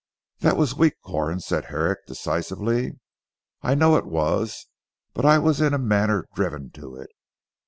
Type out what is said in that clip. "That was weak Corn," said Herrick decisively. "I know it was but I was in a manner driven to it.